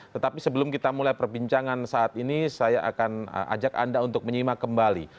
tetapi sebelum kita mulai perbincangan saat ini saya akan ajak anda untuk menyimak kembali